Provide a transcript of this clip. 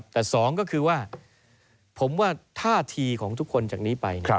แต่สองก็คือว่าผมว่าท่าทีของทุกคนจากนี้ไป